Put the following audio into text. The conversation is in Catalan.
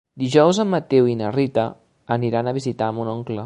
Dijous en Mateu i na Rita aniran a visitar mon oncle.